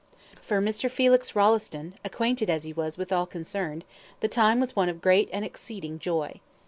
For Mr. Felix Rolleston, acquainted as he was with all concerned, the time was one of great and exceeding joy.